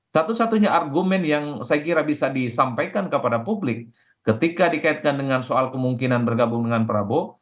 satu satunya argumen yang saya kira bisa disampaikan kepada publik ketika dikaitkan dengan soal kemungkinan bergabung dengan prabowo